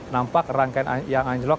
nampak rangkaian yang anjlok